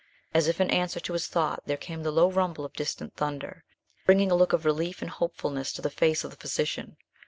As if in answer to his thought, there came the low rumble of distant thunder, bringing a look of relief and hopefulness to the face of the physician.